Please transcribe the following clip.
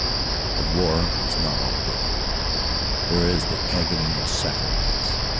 But war is not all victory. There is the agony and sacrifice.